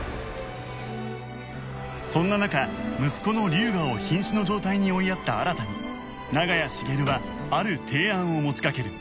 そんな中息子の龍河を瀕死の状態に追いやった新に長屋茂はある提案を持ちかける